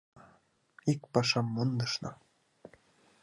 — Ик пашам мондышна.